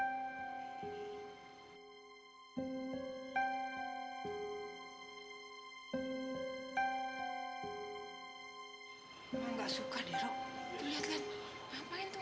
iya boleh supaya pasang bilik kate